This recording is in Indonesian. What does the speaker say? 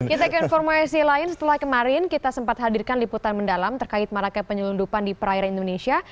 kita ke informasi lain setelah kemarin kita sempat hadirkan liputan mendalam terkait maraknya penyelundupan di perairan indonesia